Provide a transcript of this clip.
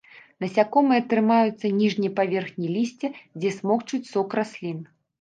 Насякомыя трымаюцца ніжняй паверхні лісця, дзе смокчуць сок раслін.